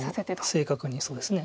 正確にそうですね